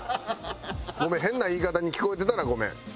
ごめん変な言い方に聞こえてたらごめん。